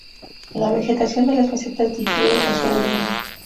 La vegetación de las mesetas difiere considerablemente.